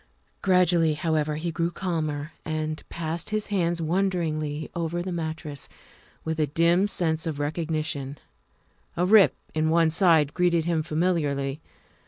Gradually, however, he grew calmer and passed his hands wonderingly over the mattress, with a dim sense of recognition ; a rip in one side greeted him familiarly.